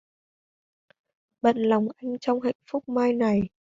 Bận lòng Anh trong hạnh phúc mai này.